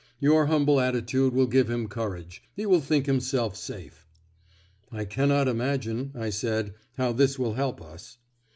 Your humble attitude will give him courage; he will think himself safe." "I cannot imagine," I said, "how this will help us."